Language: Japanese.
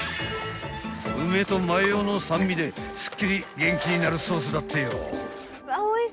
［梅とマヨの酸味ですっきり元気になるソースだってよ］